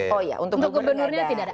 oh iya untuk gubernurnya tidak ada